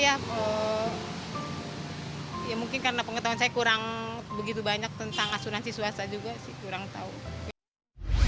ya mungkin karena pengetahuan saya kurang begitu banyak tentang asuransi swasta juga sih kurang tahu